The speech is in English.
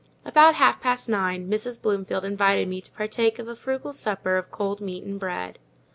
About half past nine, Mrs. Bloomfield invited me to partake of a frugal supper of cold meat and bread.